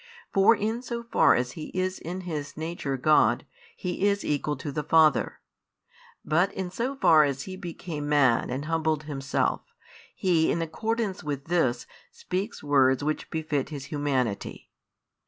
For in so far as He is in His Nature God, He is equal to the Father; but in so far as He became Man and humbled Himself, He in accordance with this speaks words which befit His Humanity.